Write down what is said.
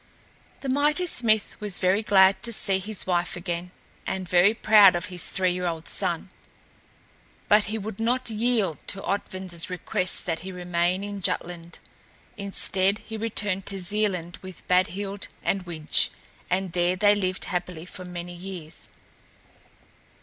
The mighty smith was very glad to see his wife again and very proud of his three year old son; but he would not yield to Otvin's request that he remain in Jutland. Instead he returned to Zealand with Badhild and Widge, and there they lived happily for many years.